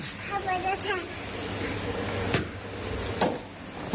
พระมจักร